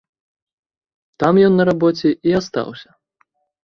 Там ён на рабоце і астаўся.